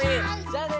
じゃあね。